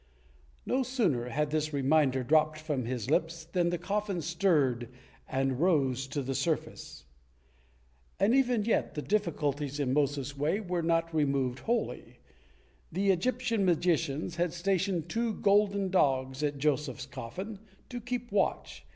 '" No sooner had this reminder dropped from his lips than the coffin stirred and rose to the surface. And even yet the difficulties in Moses' way were not removed wholly. The Egyptian magicians had stationed two golden dogs at Joseph's coffin, to keep watch